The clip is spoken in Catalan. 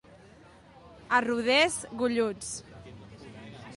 A Rodés, golluts.